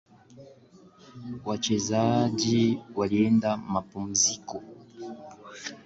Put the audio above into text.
Wachezaji walienda mapumziko